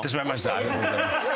ありがとうございます。